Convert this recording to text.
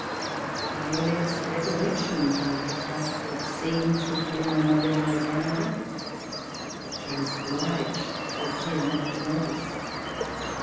My earliest recollections are of the frightful scenes between my mother and my grandmother, which I was obliged to appear not to notice.